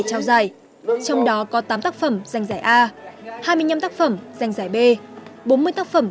trao giải trong đó có tám tác phẩm danh giải a hai mươi năm tác phẩm danh giải b bốn mươi tác phẩm